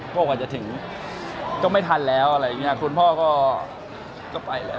กว่าจะถึงก็ไม่ทันแล้วอะไรอย่างนี้คุณพ่อก็ไปแล้ว